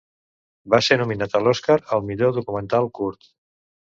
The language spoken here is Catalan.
Va ser nominat a l'Oscar al millor documental curt.